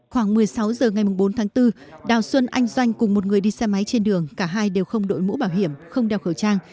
khoảng một mươi sáu h ngày bốn tháng bốn đào xuân anh doanh cùng một người đi xe máy trên đường cả hai đều không đội mũ bảo hiểm không đeo khẩu trang